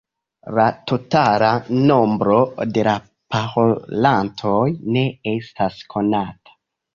La totala nombro de la parolantoj ne estas konata.